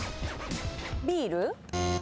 ビール？